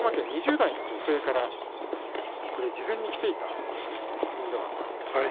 埼玉県２０代の女性から事前にきていた質問であります。